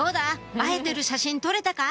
映えてる写真撮れたか？」